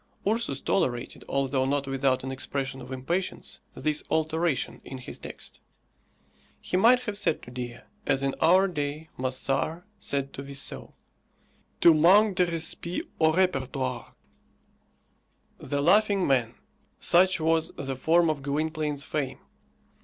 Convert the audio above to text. Ursus tolerated, although not without an expression of impatience, this alteration in his text. He might have said to Dea, as in our day Moessard said to Vissot, Tu manques de respect au repertoire. "The Laughing Man." Such was the form of Gwynplaine's fame.